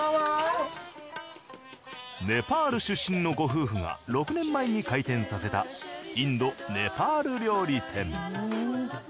ネパール出身のご夫婦が６年前に開店させたインド・ネパール料理店。